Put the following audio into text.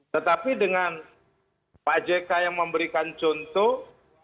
tetapi dengan pak jk yang memberikan contoh